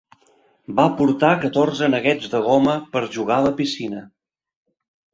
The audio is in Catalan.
Va portar catorze aneguets de goma per jugar a la piscina.